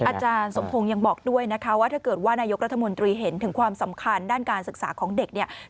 อาจารย์สมพงศ์ยังบอกด้วยนะคะว่าถ้าเกิดว่านายกรัฐมนตรีเห็นถึงความสำคัญด้านการศึกษาของเด็กเนี่ย